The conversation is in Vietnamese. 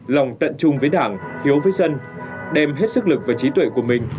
lòng tận chung với đảng hiếu với dân đem hết sức lực và trí tuệ của mình